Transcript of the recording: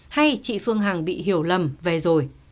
hay chị phương hằng bị hiểu lầm về rồi